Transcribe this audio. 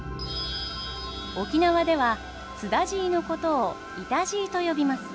沖縄ではスダジイのことをイタジイと呼びます。